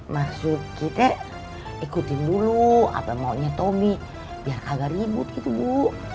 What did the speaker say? maksud kita ikutin dulu apa maunya tommy biar agak ribut gitu bu